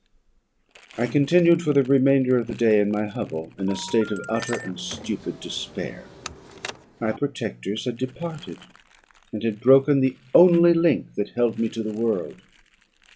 "I continued for the remainder of the day in my hovel in a state of utter and stupid despair. My protectors had departed, and had broken the only link that held me to the world.